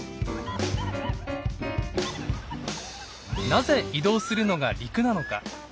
なぜ移動するのが陸なのか。